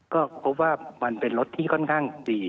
ก็พบว่ามันเป็นรถที่ค่อนข้างดี